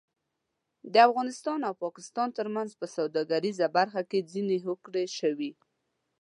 د افغانستان او پاکستان ترمنځ په سوداګریزه برخه کې ځینې هوکړې شوې